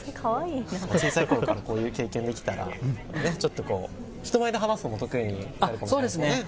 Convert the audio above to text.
こういう経験できたら人前で話すのも得意になるかもしれないですね。